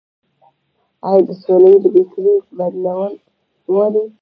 آیا د سولر بیترۍ بدلول غواړي؟